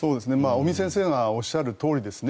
尾身先生がおっしゃるとおりですね